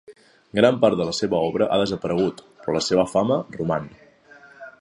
Gran part de la seva obra ha desaparegut, però la seva fama roman.